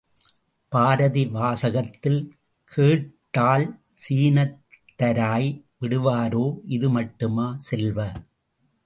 பாரதி வாசகத்தில் கேட்டால், சீனத்தராய் விடுவாரோ? இதுமட்டுமா, செல்வ!